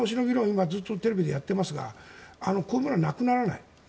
今ずっとテレビでやってますがこういうものはなくならない。